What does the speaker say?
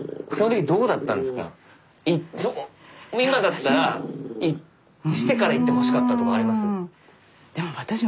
今だったらしてから行ってほしかったとかあります？